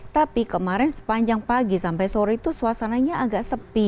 tapi kemarin sepanjang pagi sampai sore itu suasananya agak sepi